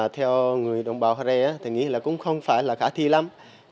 theo người đồng bào ở đây tôi nghĩ là cũng không phải là khả thi lắm